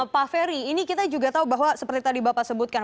pak ferry ini kita juga tahu bahwa seperti tadi bapak sebutkan